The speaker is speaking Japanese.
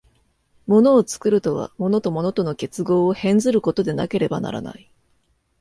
物を作るとは、物と物との結合を変ずることでなければならない。